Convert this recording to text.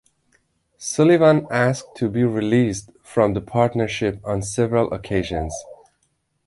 Sullivan asked to be released from the partnership on several occasions.